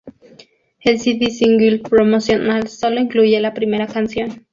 El cd single promocional sólo incluye la primera canción.